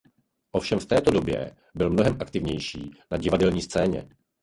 Ovšem v této době byl mnohem aktivnější na divadelní scéně.